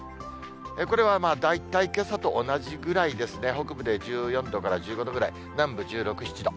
これはまあ、大体けさと同じぐらいですね、北部で１４度から１５度ぐらい、南部、１６、７度。